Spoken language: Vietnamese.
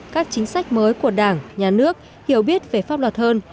các chính sách mới của đảng nhà nước hiểu biết về pháp luật hơn